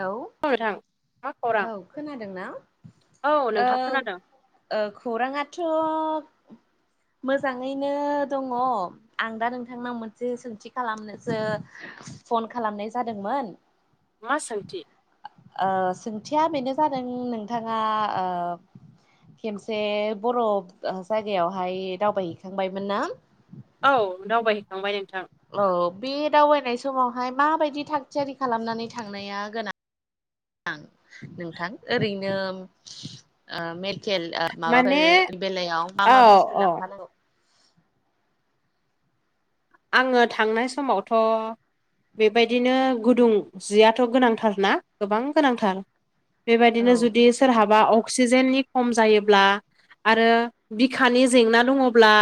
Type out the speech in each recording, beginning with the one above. लौ औ नोंथां मा खौरां औ खोनादोंना? औ ओ नोंथां खोनादों ओ खौराङाथ' मोजाङैनो दङ'। आं दा नोंथांनाव मोनसे सोंथि खालामनोसो फन खालामनाय जादोंमोन। मा सोंथि? ओ ओ सोंथिया बेनो जादों नोंथाङा ओ खेमसे बर' ओ जायगायावहाय दावबायहैखांबायमोन ना? औ दावबायहैखांबाय नोंथां। औ बे दावबायनाय समावहाय माबायदि थाग थियारि खालामनानै थांनाया गोनां? आं नोंथां ओरैनो मेडकेल ओ माने माबाफोर बेलायाव मा औ मा बुस्थु औ लांफानांगौ? आङो थांनाय समावथ' बेबायदिनो गुदुं जियाथ' गोनांथार ना गोबां गोनांथार। बेबायदिनो औ जुदि सोरहाबा अक्सिजेननि खम जायोब्ला आरो बिखानि जेंना दङ'ब्ला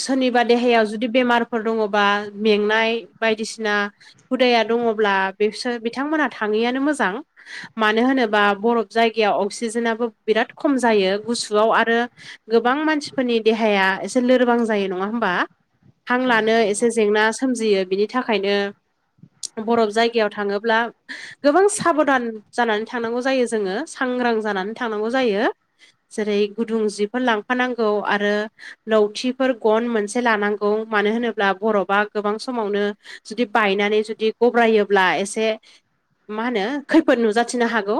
सोरनिबा देहायाव जुदि बेमारफोर दङ'बा मेंनाय बायदिसिना हुदाया दङब्ला बेसोर बिथांमोना थाङैआनो मोजां मानो होनोबा बरफ जाय गायाव अक्सिजेनाबो बिराद खम जायो। गुसुआव आरो गोबां मानसिफोरनि देहाया एसे लोरबां जायो नङा होमबा? हां औ लानो नंगौ। एसे जेंना सोमजियो बिनि थाखायनो बरफ जायगायाव थाङोब्ला गोबां साबधान जानानै थांनांगौ जायो जोङो सांग्रां जानानै थांनांगौ जायो। जेरै गुदुं जिफोर लांफानांगौ आरो लौथिफोर गन मोनसे लानां बुं मानो होनोब्ला बरफआ गोबां समावनो जुदि बायनानै जुदि गब्रायोब्ला एसे मा होनो खैफोद नुजाथिनो हागौ।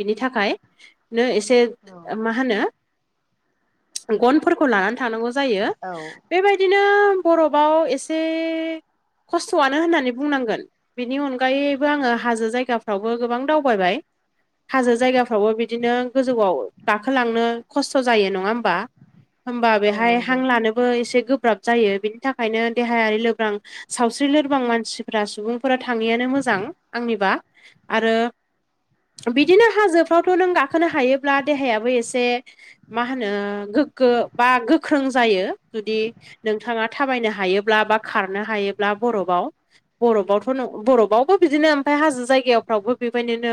बिनि थाखाय नो एसे औ मा होनो गनफोरखौ लानानै थानांगौ जायो। औ बेबायदिनो बरफआव एसे खस्थ'आनो होननानै बुंनांगोन। बिनि अनगायैबो आङो हाजो जायगाफ्रावबो गोबां दावबायबाय। हाजो जायगाफ्रावबो बिदिनो गोजौआव गाखोलांनो खस्थ' जायो। नङा होमबा? होमबा औ बेहाय नंगौ हां लानोबो एसे गोब्राब जायो। बिनि थाखायनो देहायारि लोब्रां सावस्रि लोरबां मानसिफ्रा सुबुंफोरा थाङैयानो मोजां आंनिबा। आरो बिदिनो हाजोफ्रावथ' नों गाखोनो हायोब्ला देहायाबो एसे मा होनो गोग्गो बा गोख्रों जायो। जुदि नोंथाङा थाबायनो हायोब्ला बा खारनो हायोब्ला बरफआव। बरफावथ' नो बरफबावबो बिदिनो ओमफाय हाजो जायगाफ्रावबो बेबायदिनो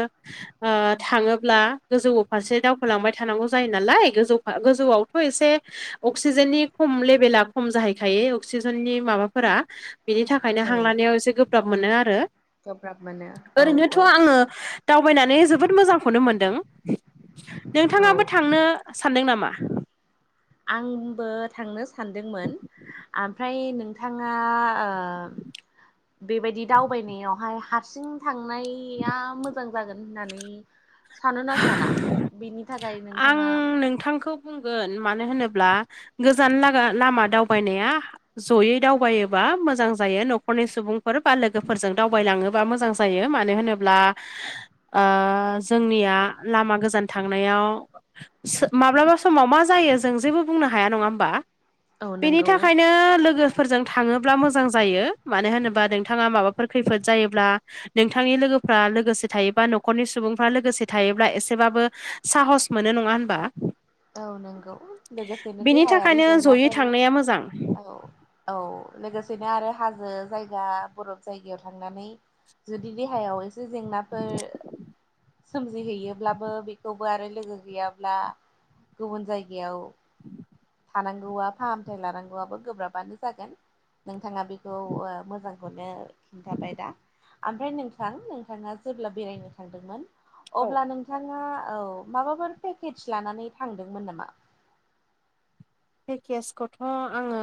ओ थाङोब्ला गोजौवो फारसे दावखोलांबाय थानांगौ जायो नालाय गोजौ फा गोजौआवथ' एसे अक्सिजेननि खम लेभला खम जाहैखायो अक्सिजेननि माबाफोरा। बेनि थाखायनो औ हां लानायाव एसे गोब्राब मोनो आरो। गोब्राब मोनो औ ओरैनोथ' औ आङो। दावबायनानै जोबोद मोजांखौनो मोनदों। औ नोंथाङाबो थांनो सानदों नामा? आंबो थांनो सानदोंमोन। आमफ्राय नोंथाङा ओ बेबायदि दावबायनायावहाय हारसिं थांनाया मोजां जागोन होननानै सानोना साना? बिनि आं नोंथांखौ बुंगोन मानो होनोब्ला गोजान लागा लामा दावबायनाया जयै दावबायोबा मोजां जायो न'खरनि सुबुंफोर बा लोगो फोरजों दावबाय लाङो बा मोजां जायो मानो होनोब्ला आ जोंनिया लामा गोजान थांनायाव माब्लाबा समाव मा जायो जों जेबो बुंनो हाया नङा होमबा? औ बेनि नंगौ थाखायनो लोगो फोरजों थाङोब्ला मोजां जायो मानो होनोबा नोंथाङा माबाफोर खैफोद जायोब्ला नोंथांनि लोगोफ्रा लोगोसे थायोबा न'खरनि सुबुंफ्रा लोगोसे थायोब्ला एसेबाबो साहस मोनो नङा होनबा? औ नंगौ लोगोसेनो बेनि देहायारि थाखायनो जयै जेंनाफोर थांनाया मोजां औ औ लोगोसेनो आरो हाजो जायगा बरफ जायगायाव थांनानै जुदि देहायाव ज जेंनाफोर सोमजि हैयोब्लाबो बेखौबो आरो लोगो गैयाब्ला गुबुन जायगायाव थानांगौआ फाहामथाय लानांगौ आबो गोब्राबानो जागोन। नोंथाङा बेखौ ओ मोजांखौनो खिन्थाबाय दा। आमफ्राय नोंथां नोंथाङा जेब्ला बेरायनो थांदोंमोन औ अब्ला नोंथाङा औ माबाफोर पेकेज लानानै थांदोंमोन नामा? पेकेज खौथ' आङो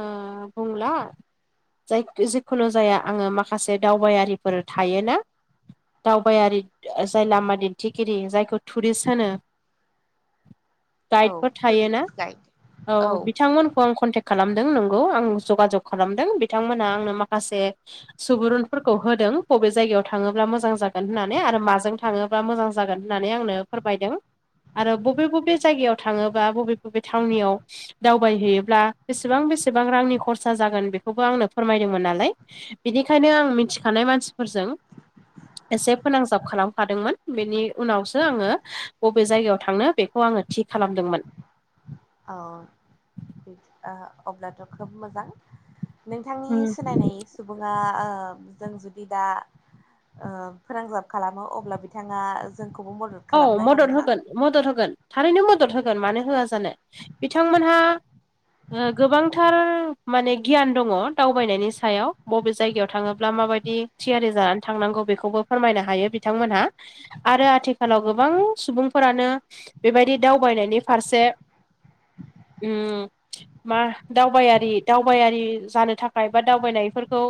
बुंला। जाय जिखुनु जाया आङो माखासे दावबायारिफोर थायो ना दावबायारि जाय लामा दिन्थिगिरि जायखौ टुरिस्ट होनो। गाइड औ फोर थायोना टुरिस्ट गाइड औ बि बिथांमोनखौ आं कन्टेक खालामदों नंगौ आं जगाजग खालामदों बिथांमोना आंनो माखासे सुबुरुन फोरखौ होदों बबे जायगायाव थाङोब्ला मोजां जागोन होननानै आरो माजों थाङोब्ला मोजां जागोन होननानै आंनो फोरमायदों। आरो बबे बबे जायगायाव थाङोबा बबे बबे थावनियाव दावबाय हैयोब्ला बेसेबां बेसेबां रांनि खरसा जागोन बेखौबो आंनो फोरमायदोंमोन नालाय। बिनिखायनो आं मिथिखानाय मानसि फोरजों एसे फोनांजाब खालाम खादोंमोन बेनि उनावसो आङो बबे जायगायाव थांनो बे खौ आङो थि खालामदोंमोन। अ ओ अब्लाथ' खोब मोजां। नोंथांनि सिनायनाय सुबुङा ओ जों जुदि दा ओ फोनांजाब खालामो अब्ला बिथाङा जोंखौबो मदद औ खालामनो मदद हागोन ना? होगोन मदद होगोन थारैनो मदद होगोन मानो होआ जानो बिथां मोनहा ओ गोबांथार माने गियान दङ दावबायनायनि सायाव बबे जायगायाव थाङोब्ला माबाय दि थियारि जानानै थांनांगौ बेखौबो फोरमायनो हायो बिथांमोनहा आरो आथि खालाव गोबां सुबुंफोरानो बेबायदि दावबायनायनि फारसे उम मा दावबायारि दावबायारि जानो थाखाय बा दावबायनाय फोरखौ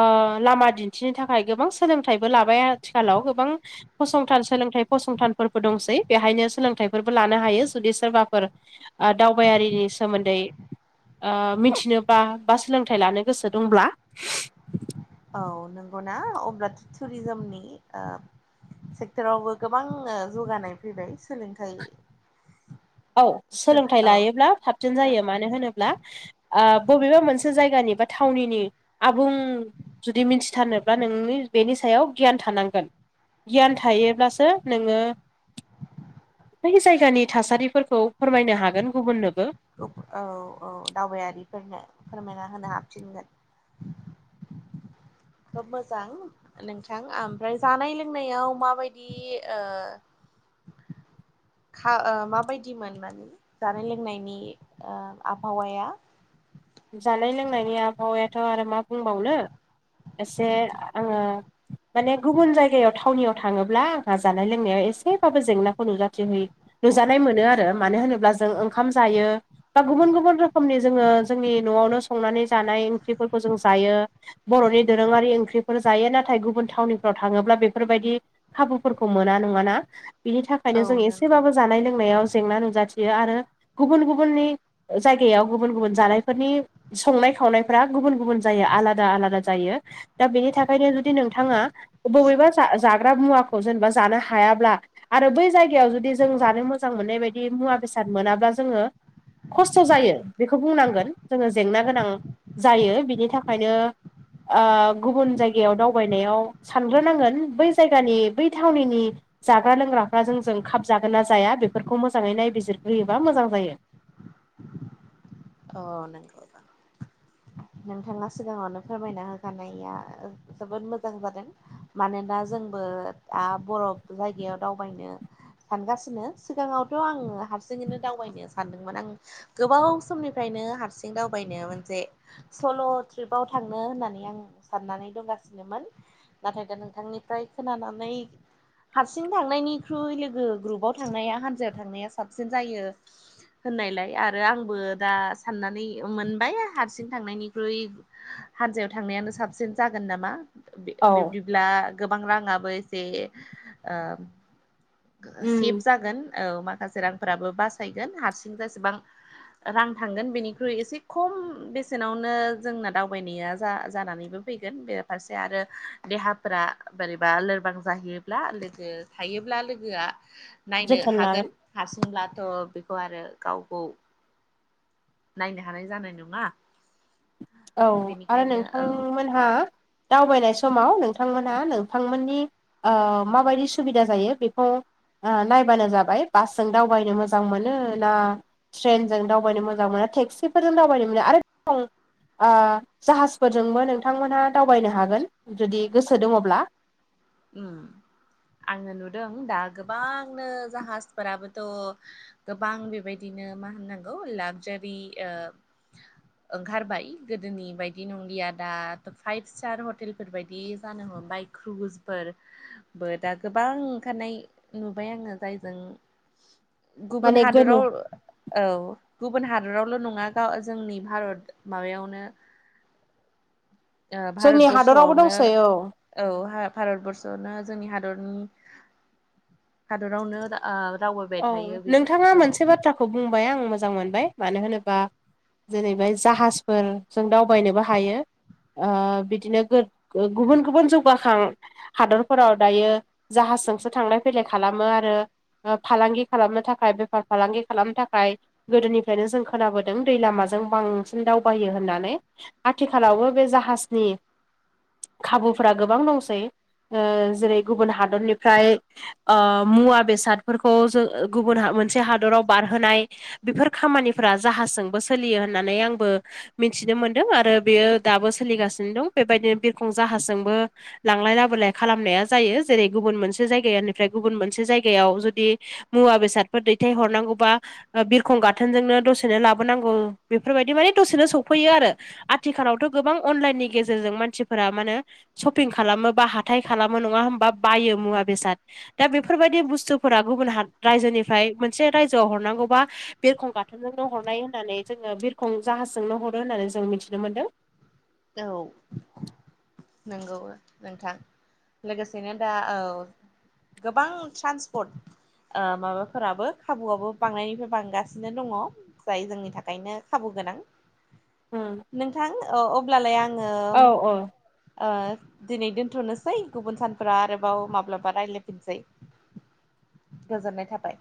ओ लामा दिन्थिनो थाखाय गोबां सोलोंथाइबो लाबाय आथिखालाव गोबां फसंथान सोलोंथाइ फसंथानफोरबो दंसै बेहायनो सोलोंथाइ फोरबो लानो हायो जुदि सोरबाफोर दावबायारिनि सोमोन्दै ओ मिथिनोबा बा सोलोंथाइ लानो गोसो दंब्ला। औ नंगौना अब्लाथ' टुरिजोमनि सेक्टरावबो गोबां ओ जौगानाय फैबाय सोलोंथाइ औ सोलोंथाइ औ लायोब्ला साबसिन जायो मानो होनोब्ला ओ बबेबा मोनसे जायगानि बा थावनिनि आबुं जुदि मिथिथारनोब्ला नोंनि बेनि सायाव गियान थानांगोन। गियान थायोब्लासो नोङो बै जायगानि थासारि फोरखौ फोरमायनो हागोन गुबुननोबो। औ औ दावबायारिफोरनो फोरमायना होनो हाबफिनगोन। खोब मोजां नोंथां ओमफ्राय जानाय लोंनायाव माबायदि ओ खा ओ माबायदिमोन मोन? जानाय लोंनायनि ओ आबहावाया जानाय लोंनायनि आबहावायाथ' आरो मा बुंबावनो एसे आङो माने गुबुन जायगायाव थावनियाव थाङोब्ला आंहा जानाय लोंनायाव एसेबाबो जेंनाखौ नुजाथि हैयो। नुजानाय मोनो आरो मानो होनोब्ला जों ओंखाम जायो बा गुबुन गुबुन रोखोमनि जोङो जोंनि न'आवनो संनानै जानाय ओंख्रिफोरखौ जों जायो। बर'नि दोरोङारि ओंख्रिफोर जायो नाथाय गुबुन थावनिफ्राव थाङोब्ला बेफोरबायदि खाबुफोरखौ मोना नङाना बिनि औ थाखायनो जों नंगौ। एसेबाबो जानाय लोंनायाव जेंना नुजाथियो आरो गुबुन गुबुननि जायगायाव गुबुन गुबुन जानाय फोरनि संनाय खावनायफोरा गुबुन गुबुन जायो आलादा आलादा जायो। दा बेनि थाखायनो जुदि नोंथाङा बबेबा जा जाग्रा मुवाखौ जेनेबा जानो हायाब्ला। आरो बै जायगायाव जुदि जों जानो मोजां मोननाय बाय बिदि मुवा बेसाद मोनाबा जोङो खस्थ' जायो बेखौ बुंनांगोन। जोङो जेंना गोनां जायो बिनि थाखायनो ओ गुबुन जायगायाव दावबायनायाव सानग्रोनांगोन बै जायगानि बै थावनिनि जाग्रा लोंग्राफ्रा जों जों खाब जागोन ना जाया बेफोरखौ मोजाङै नायबिजिरग्रोयोबा मोजां जायो। अ नंगौ नोंथां। नोंथाङा सिगाङावनो फोरमायना होखानाया जोबोद मोजां जादों। मानोना जोंबो दा बरप जायगायाव दावबायनो सानगासिनो सिगाङावथ' आङो हारसिङैनो दावबायनो सानदोंमोन आं गोबाव समनि फ्रायनो हारसिं दावबायनो मोनसे सल' ट्रिपाव थांनो होननानै आं साननानै दंगासिनोमोन। नाथाय दा नोंथांनिफ्राय खोनानानै हारसिं थांनायनिख्रुइ लोगो ग्रुपाव थांनाया हान्जायाव थांनाया साबसिन जायो होननायलाय आरो आंबो दा साननानै मोनबाय हारसिं थांनायनिख्रुइ हानजायाव थांनायानो साबसिन जागोन नामा? औ बिब्दिब्ला गोबां राङाबो एसे ओ सेफ उम जागोन औ माखासे रांफोराबो बासायगोन हारसिं जेसेबां रां थांगोन बेनिख्रुइ एसे खम बेसेनावनो जोंना दावबायनाया जा जानानैबो फैगोन बे फासे आरो देहाफोरा बोरैबा लोरबां जाहैयोब्ला लोगो थायोब्ला लोगोआ नायनो जोथोन लागोन हागोन हारसिंब्लाथ' बेखौ आरो गाव गाव नायनो हानाय जानाय नङा। औ आरो बेनिखायनो औ नोंथांमोनहा दावबायनाय समाव नोंथांमोनहा नोंथांमोननि ओ माबायदि सुबिदा जायो बेखौ ओ नायबानो जाबाय बासजों दावबायनो मोजां मोनो ना ट्रेनजों दावबायनो मोजां मोनो टेक्सिफोरजों दावबायनो मोनो आरो दं ओ जाहाजफोरजोंबो नोंथांमोनहा दावबायनो हागोन जुदि गोसो दङब्ला,। उम आङो नुदों दा गोबांनो जाहाजफोराबोथ' गोबां बेबायदिनो मा होननांगौ लाक्जारि ओ ओंखारबाय गोदोनि बायदि नंलिया दाथ' फाइभ स्टार हटेल फोरबायदि जानो हमबाय क्रुज फोरबो दा गोबां ओंखारनाय नुबाय आङो जायजों गुबुन माने गोनो हादराव औ गुबुन हादरावल' नङा गाव जोंनि भारत माबायावनो ओ जोंनि हादरावबो भारतबर्स'आवनो दंसै औ औ हा भारतबर्स आवनो जोंनि हादरनि हादरावनो ओ दावबायबाय थायो बियो औ। खौ बुंबाय आं मोजां मोनबाय मानो होनोबा जेरैबे जाहाजफोर जों दावबायनोबो हायो ओ बिदिनो गो गुबुन गुबुन जौगाखां हादरफोराव दायो जाहाजजोंसो थांलाय फैलाय खालामो आरो फालांगि खालामनो थाखाय बेफार फालांगि खालामनो थाखाय गोदोनिफ्रायनो जों खोनाबोदों दै लामाजों बांसिन दावबायो होननानै आथिखालावबो बे जाहाजनि खाबुफोरा गोबां दंसै ओ जेरै गुबुन हादरनिफ्राय ओ‌ मुवा बेसादफोरखौ जो‌ गुबुना मोनसे हादराव बारहोनाय बेफोर खामानिफोरा जाहाजजोंबो सोलियो होननानै आंबो मिथिनो मोनदों आरो बेयो दाबो सोलिगासिनो दं बेबायदिनो बिरखं जाहाजजोंबो लांलाय लाबोलाय खालामनाया जायो जेरै गुबुन मोनसे जायगानिफ्राय गुबुन मोनसे जायगायाव जो दे मुवा बेसादफोर दैथाय हरनांगौबा बिरखं गाथोनजोंनो दसेनो लाबोनांगौ बेफोरबायदि माने दसेनो सफैयो आरो आथिखालावथ‌ गोबां अनलाइननि गेजेरजों मानसिफोरा मानोे सपिं खालामो बा हाथाय खालामो नङा हबा बायो मुवा बेसाद दा बेफोरबायदि बुस्थु फोरा गुबुन ह रायजोनिफ्राय मोनसे रायजोआव हरनांगौबा बिरखं गाथोनजोंनो हरनाय होननानै जोङो बिरखं जाहाजजोंनो हरो होननानै जों मिथिनो मोनदों औ नंगौ नोंथां लोगोसेनो दा औ गोबां ट्रान्सपर्ट ओ माबाफोराबो खाबुआबो बांनायनिफ्राय बांगासिनो दङ जाय जोंनि थाखायनो खाबु गोनां नोंथां अब्लालाय आङो औ औ दिनै दोनथ'नोसै गुबुन सानफोरा आरोबाव माब्लाबा रायज्लायफिनसै। गोजोननाय थाबाय